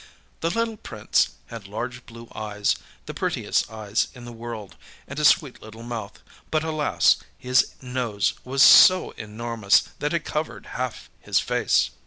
The little Prince had large blue eyes, the prettiest eyes in the world, and a sweet little mouth, but, alas! his nose was so enormous that it covered half his face.